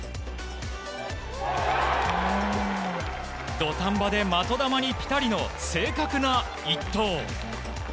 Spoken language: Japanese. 土壇場で的球にピタリの正確な１投。